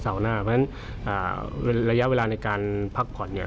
หน้าเพราะฉะนั้นระยะเวลาในการพักผ่อนเนี่ย